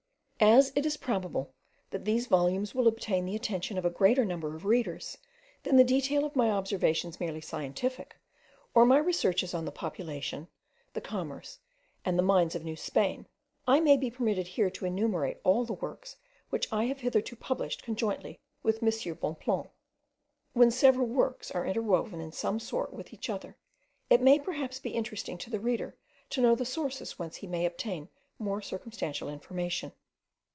As it is probable that these volumes will obtain the attention of a greater number of readers than the detail of my observations merely scientific, or my researches on the population, the commerce, and the mines of New Spain, I may be permitted here to enumerate all the works which I have hitherto published conjointly with M. Bonpland. When several works are interwoven in some sort with each other, it may perhaps be interesting to the reader to know the sources whence he may obtain more circumstantial information.